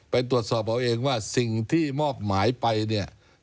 ไปตรวจสอบเอาเองว่าสิ่งที่มอบหมายไปเนี่ย